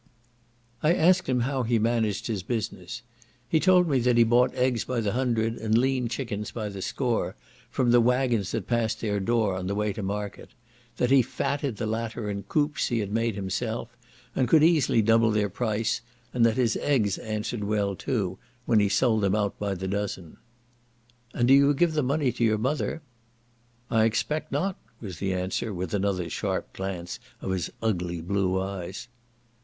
I asked him how he managed his business. He told me that he bought eggs by the hundred, and lean chicken by the score, from the waggons that passed their door on the way to market; that he fatted the latter in coops he had made himself, and could easily double their price, and that his eggs answered well too, when he sold them out by the dozen. "And do you give the money to your mother?" "I expect not," was the answer, with another sharp glance of his ugly blue eyes.